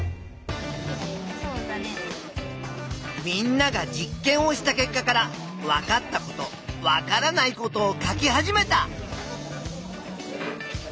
みんなが実験をした結果からわかったことわからないことを書き始めた。